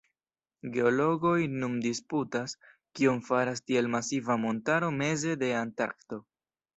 Geologoj nun disputas, kion faras tiel masiva montaro meze de Antarkto.